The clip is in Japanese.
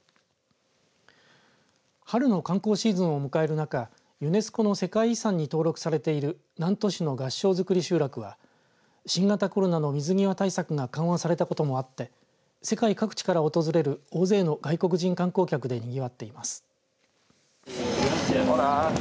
春の観光シーズンを迎える中ユネスコの世界遺産に登録されている南砺市の合掌造り集落は新型コロナの水際対策が緩和されたこともあって世界各地から訪れる大勢の外国人観光客でにぎわっています。